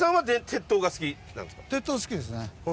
鉄塔好きですね。